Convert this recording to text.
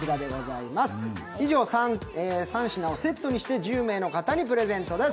以上３品をセットにして１０名の方にプレゼントです。